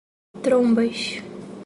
Trombas